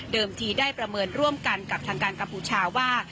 ทีได้ประเมินร่วมกันกับทางการกัมพูชาว่า